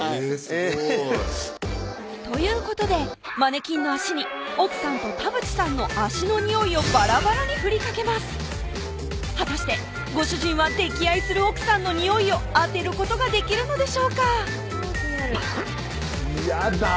えぇすごいということでマネキンの足に奥さんと田渕さんの足のニオイをバラバラにふりかけます果たしてご主人は溺愛する奥さんのニオイを当てることができるのでしょうかやだ